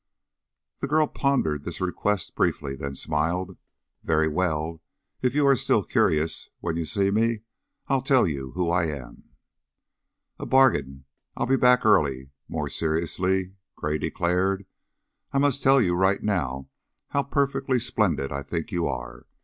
The girl pondered this request briefly, then smiled. "Very well. If you are still curious, when you see me, I'll tell you who I am." "A bargain! I'll be back early." More seriously, Gray declared: "I must tell you right now how perfectly splendid I think you are.